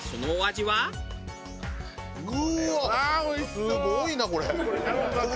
すごいなこれ！